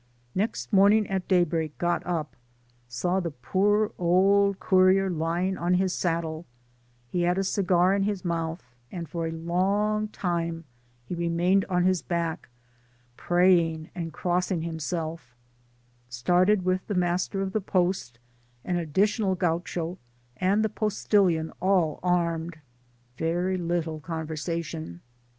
Next morning at daybreak got up — saw the poor old courier lying on the ground, with his head resting on his saddle — ^he had a segar in his mouth, and for a long time he remained on his back prajring and crossing himself. — Started with the master of the post, an additional Gaucho, and the postilion, all armed — ^very little conversation.